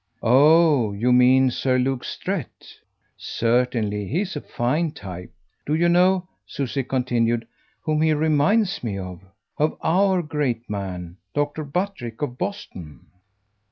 "Oh you meant Sir Luke Strett? Certainly he's a fine type. Do you know," Susie continued, "whom he reminds me of? Of OUR great man Dr. Buttrick of Boston."